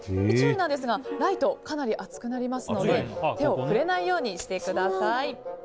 注意なんですがライト、かなり熱くなりますので手を触れないようにしてください。